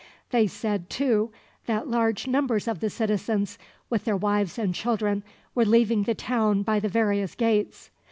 They said, too, that large numbers of the citizens, with their wives and children, were leaving the town by the various gates.